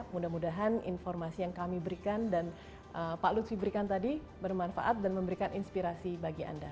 mudah mudahan informasi yang kami berikan dan pak lutfi berikan tadi bermanfaat dan memberikan inspirasi bagi anda